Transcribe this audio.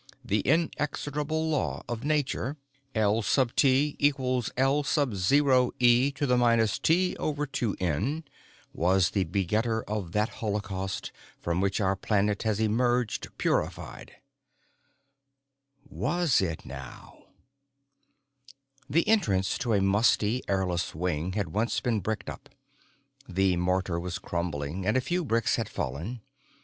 The inexorable law of nature, L_{T}=L_{O}e ^{T/2N}, was the begetter of that holocaust from which our planet has emerged purified——" Was it now? The entrance to a musty, airless wing had once been bricked up. The mortar was crumbling and a few bricks had fallen.